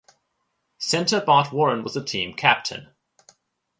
Center Bart Warren was the team captain.